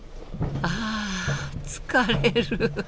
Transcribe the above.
あ疲れる。